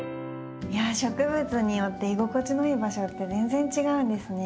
植物によって居心地のいい場所って全然違うんですね。